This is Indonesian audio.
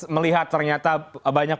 melihat ternyata banyak